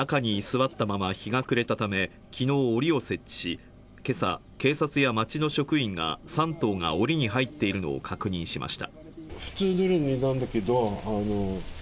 中に居座ったまま日が暮れたため、昨日、おりを設置し、今朝、警察や町の職員が、３頭がおりに入っているのを確認しました。